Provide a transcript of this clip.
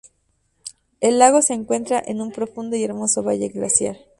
El lago se encuentra en un profundo y hermoso valle glaciar.